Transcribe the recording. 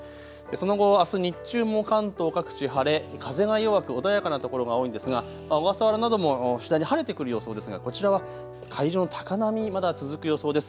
その後、あす日中も関東各地晴れ風が弱く穏やかな所が多いですが小笠原なども次第に晴れてくる予想ですがこちらは海上の高波、まだ続く予想です。